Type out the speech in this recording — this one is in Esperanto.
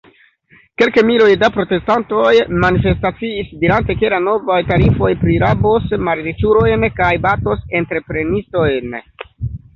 Kelkmiloj da protestantoj manifestaciis, dirante, ke la novaj tarifoj prirabos malriĉulojn kaj batos entreprenistojn.